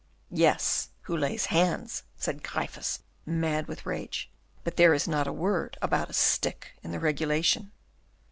'" "Yes, who lays hands," said Gryphus, mad with rage, "but there is not a word about a stick in the regulation."